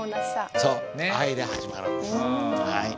そう愛で始まるんです。